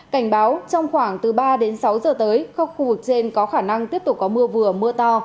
cảnh báo trong khoảng từ ba đến sáu giờ tới các khu vực trên có khả năng tiếp tục có mưa vừa mưa to